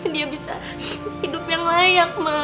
dia bisa hidup yang layak